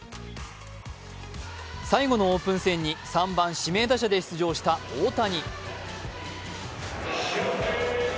最後のオープン戦に３番・指名打者で出場した大谷。